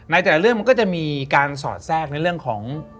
ในแต่ละเรื่องมันก็จะมีการสอดแทรกในเรื่องของ